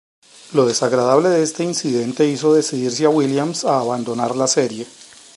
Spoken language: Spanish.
Lo desagradable de este incidente hizo decidirse a Williams a abandonar la serie.